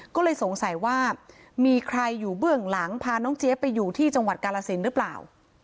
ก็เลยสงสัยว่ามีใครอยู่เบื้องหลังพาน้องเจี๊ยบไปอยู่ที่จังหวัดกาลสินหรือเปล่า